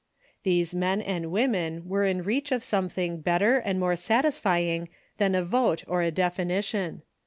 ... These men and women were in reach of something better and more satisfying than a vote or a definition."